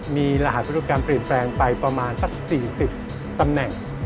มีรหัสรูปกรรมเปลี่ยนแปลงไปประมาณสัก๔๐ตำแหน่ง